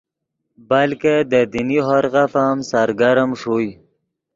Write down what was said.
بلکہ دے دینی ہورغف ام سرگرم ݰوئے